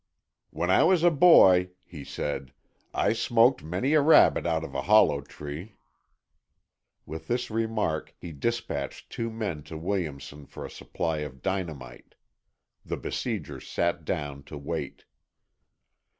"When I was a boy," he said, "I smoked many a rabbit out of a hollow tree." With this remark he despatched two men to Williamson for a supply of dynamite. The besiegers sat down to wait.